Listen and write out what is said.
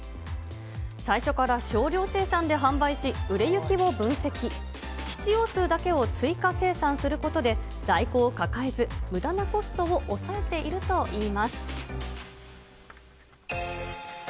最初から少量生産で販売し、売れ行きを分析、必要数だけを追加生産することで、在庫を抱えず、むだなコストを抑えているといいます。